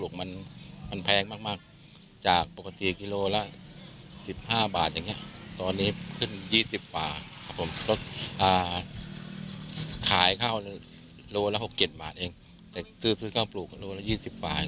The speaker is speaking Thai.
การนักวิชาการส่งเสริมการเกษตรสำนักงานเกษตรอำเภรโนธ